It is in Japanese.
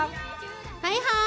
はいはい！